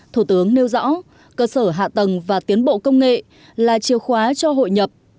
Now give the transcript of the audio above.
thủ tướng nêu rõ cơ sở hạ tầng và tiến bộ công nghệ là chiều khóa cho hội nhập